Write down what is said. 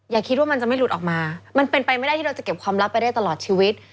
อย่าคิดว่ามันจะไม่หลุดออกมามันเป็นไปไม่ได้ที่เราจะเก็บความลับไปได้ตลอดชีวิต